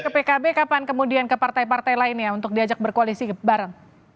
ke pkb kapan kemudian ke partai partai lainnya untuk diajak berkoalisi bareng